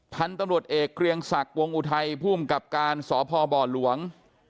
พันธุ์ตำรวจเอกเกรียงศักดิ์วงอุทัยภูมิกับการสพบหลวง